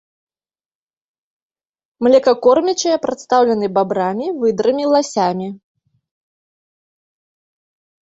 Млекакормячыя прадстаўлены бабрамі, выдрамі, ласямі.